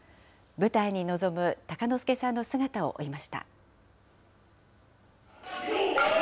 舞台に臨む鷹之資さんの姿を追いました。